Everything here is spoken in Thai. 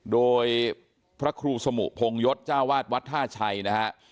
โดยพระครูสมุพงยศจ้าวาดวัดท่าชัยนะฮะ